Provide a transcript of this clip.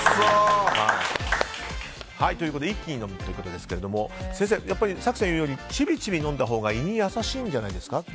一気に飲むということですが先生、やっぱり早紀さんが言うようにちびちび飲んだほうが胃に優しいんじゃないですか。